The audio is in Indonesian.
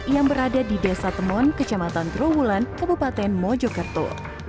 yang berada di desa temon kecamatan terowulan kebupaten mojokerto